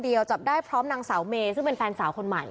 จับได้พร้อมนางสาวเมซึ่งเป็นแฟนสาวคนใหม่